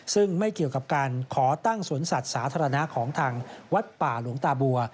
ซึ่งไม่เกี่ยวกับการขอตั้งสวนสัตว์สาธารณะของทางวัดป่าหลวงตาบัว